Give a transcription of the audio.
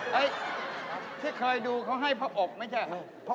ค่ะที่เคยดูเขาให้พ่ออบไม่ใช่ไหม